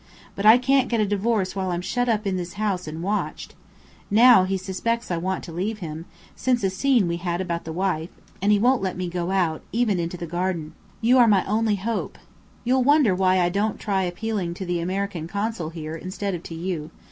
But I can't get a divorce while I'm shut up in this house and watched. Now, he suspects I want to leave him (since a scene we had about the wife), and he won't let me go out, even into the garden. You are my only hope. You'll wonder why I don't try appealing to the American Consul here, instead of to you.